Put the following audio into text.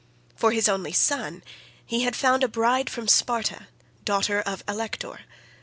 For his only son he had found a bride from Sparta,37 the daughter of Alector.